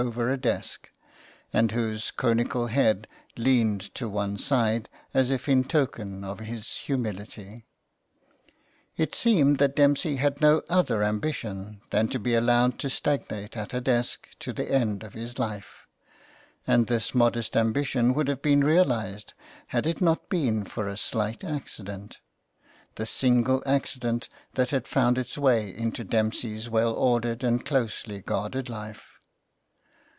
over a desk, and whose conical head leaned to one side as if in token of his humility. It seemed that Dempsey had no other ambition than to be allowed to stagnate at a desk to the end of his life, and this modest ambition would have been realised had it not been for a slight accident — the single accident that had found its way into Dempsey's well ordered and closely guarded life.